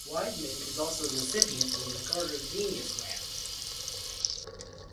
Wideman is also the recipient of a MacArthur Genius Grant.